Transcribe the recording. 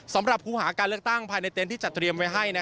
ครูหาการเลือกตั้งภายในเต็นต์ที่จัดเตรียมไว้ให้